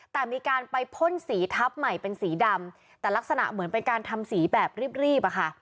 แต่มีการไปพ่นสีทับใหม่เป็นสีดำแต่ลักษณะเหมือนเป็นการทำสีแบบรีบรีบอะค่ะ